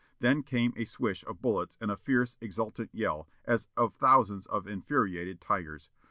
Then came a swish of bullets and a fierce exultant yell, as of thousands of infuriated tigers.